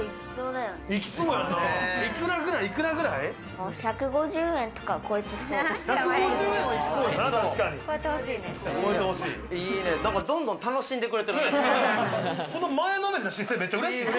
なんかどんどん楽しんでくれてる。